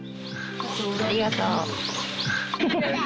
ありがとう。